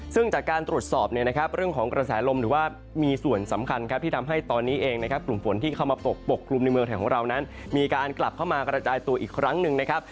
ซึ่งจากการตรวจสอบเนี่ยนะครับเรื่องของกระแสลมหรือว่ามีส่วนสำคัญครับที่ทำให้ตอนนี้เองนะครับกลุ่มฝนที่เข้ามาปกปกกลุ่มในเมืองไทยของเรานั้นมีการกลับเข้ามากระจายตัวอีกครั้งหนึ่งนะครับ